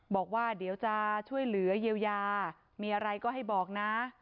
บอกว่าเดี๋ยวจะช่วยเหลือเยียวยามีอะไรก็ให้บอกนะ